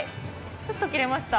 すっと切れました。